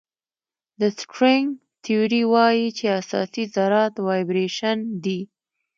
د سټرینګ تیوري وایي چې اساسي ذرات وایبریشن دي.